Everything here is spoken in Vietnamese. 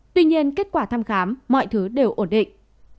tuy nhiên kết quả thăm khám mọi thứ đều ổn định